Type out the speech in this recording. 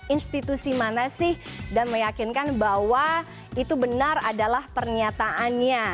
institusi mana sih dan meyakinkan bahwa itu benar adalah pernyataannya